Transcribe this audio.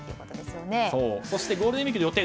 そしてゴールデンウィークの予定